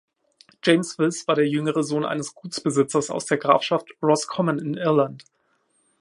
James Wills war der jüngere Sohn eines Gutsbesitzers aus der Grafschaft Roscommon in Irland.